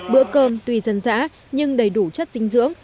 bữa cơm tuy dân dã nhưng đầy đủ chất dinh dưỡng